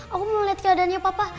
aku mau lihat keadaannya papa